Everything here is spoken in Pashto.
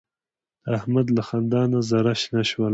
د احمد له خندا نه زاره شنه شوله.